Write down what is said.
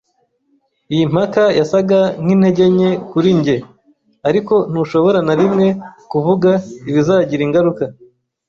Iyi mpaka yasaga nkintege nke kuri njye. Ariko ntushobora na rimwe kuvuga ibizagira ingaruka